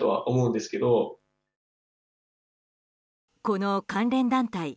この関連団体